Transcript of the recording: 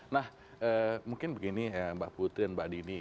nah mungkin begini mbak putri dan mbak dini